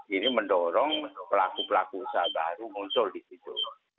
ini mendorong pelaku pelaku usaha baru muncul di situ